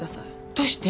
どうして？